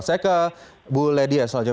saya ke bu ledya soalnya